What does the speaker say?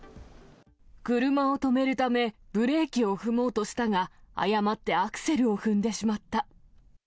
車を止めるため、ブレーキを踏もうとしたが、誤ってアクセルを踏んでしまった。